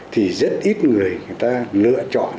thì rất ít người người ta lựa chọn